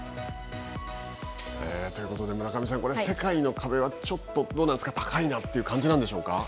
ということで村上さん、世界の壁はちょっと、どうなんですか、高いなという感じなんでしょうか。